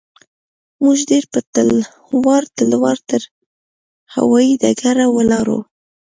موږ ډېر په تلوار تلوار تر هوايي ډګره ولاړو.